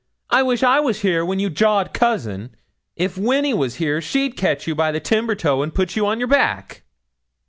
'I wish I was here when you jawed cousin. If Winny was here she'd catch you by the timber toe and put you on your back.'